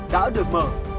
đã được mở